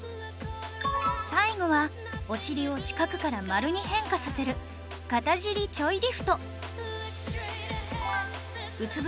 最後はお尻を四角から丸に変化させる片尻ちょいリフト